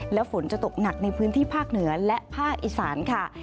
และฝนจะตกหนักในพื้นที่ภาคเหนือและภาคอีสานค่ะ